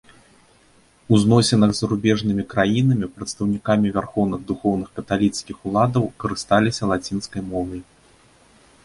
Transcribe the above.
У зносінах з зарубежнымі краінамі, прадстаўнікамі вярхоўных духоўных каталіцкіх уладаў карысталіся лацінскай мовай.